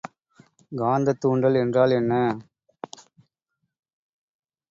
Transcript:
காந்தத்தூண்டல் என்றால் என்ன?